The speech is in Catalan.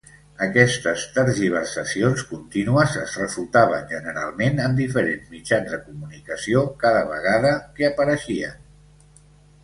Aquestes tergiversacions contínues es refutaven generalment en diferents mitjans de comunicació cada vegada que apareixien.